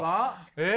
えっ？